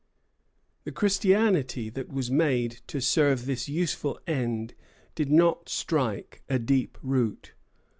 The Christianity that was made to serve this useful end did not strike a deep root.